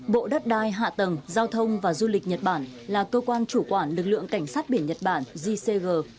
bộ đất đai hạ tầng giao thông và du lịch nhật bản là cơ quan chủ quản lực lượng cảnh sát biển nhật bản gcg